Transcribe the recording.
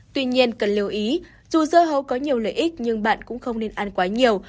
tuy nhiên cần lưu ý dù dưa hấu có nhiều lợi ích nhưng bạn cũng không nên ăn quá nhiều